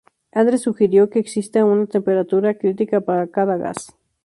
Andrews sugirió que existía una temperatura crítica para cada gas.